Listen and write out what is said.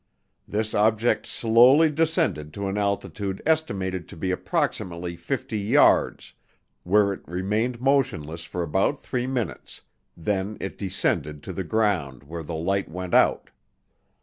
This object slowly descended to an altitude estimated to be approximately 50 yards where it remained motionless for about 3 minutes, then it descended to the ground where the light went out.